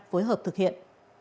phối hợp thực hiện